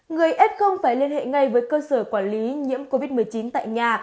người ép không phải liên hệ ngay với cơ sở quản lý nhiễm covid một mươi chín tại nhà